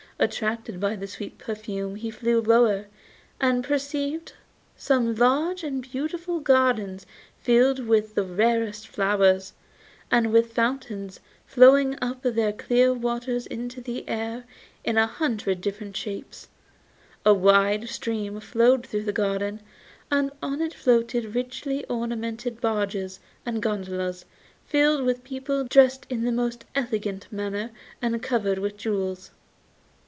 Attracted by the sweet perfume he flew lower, and perceived some large and beautiful gardens filled with the rarest flowers, and with fountains throwing up their clear waters into the air in a hundred different shapes. A wide stream flowed through the garden, and on it floated richly ornamented barges and gondolas filled with people dressed in the most elegant manner and covered with jewels.